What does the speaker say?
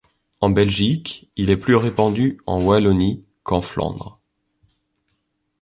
En Belgique, il est plus répandu en Wallonie, qu'en Flandre.